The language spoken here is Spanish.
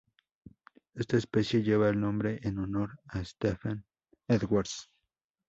Esta especie lleva el nombre en honor a Stephen R. Edwards.